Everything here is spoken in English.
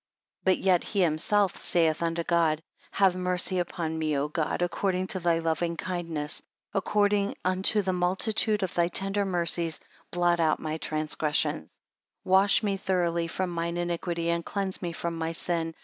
25 But yet he himself saith unto God, Have mercy upon me, O God, according to thy loving kindness; according unto the multitude of thy tender mercies, blot out my transgressions. 26 Wash me thoroughly from mine iniquity, and cleanse me from my sin.